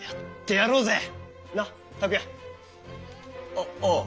あああ！